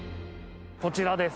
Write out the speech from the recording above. こちらです。